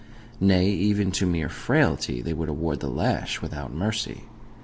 Nay, even to mere frailty they would award the lash without mercy.